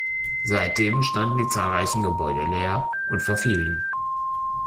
Seitdem standen die zahlreichen Gebäude leer und verfielen.